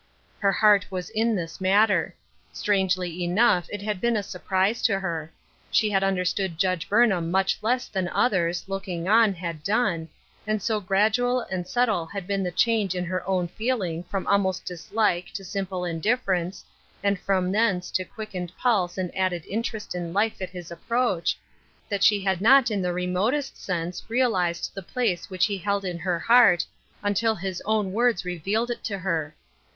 Her heart was in this matter. Strangely enough it had been a surprise to her. She had understood Judge Burnham much less than others, looking on, had done, and so gradual and subtle had been the change in her own feeling from almost dislike to simple indifference, and from thence to quickened pulse and added inter est in life at his approach, that she had not in the remotest sense realized the place which he held in her heart until his own words revealed it to her.